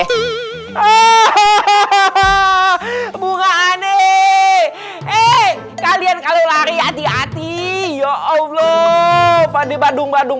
hahaha bunga aneh kalian kalau lari hati hati ya allah pada badung badung